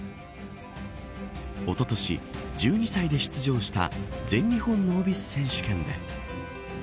おととし、１２歳で出場した全日本ノービス選手権で。